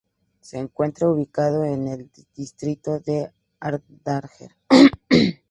Se encuentra ubicado en el distrito de Hardanger.